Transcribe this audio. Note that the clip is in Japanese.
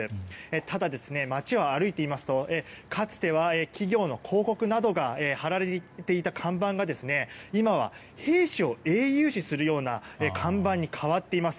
ただ、街を歩いていますとかつては企業の広告などが貼られていた看板が今は兵士を英雄視するような看板に変わっています。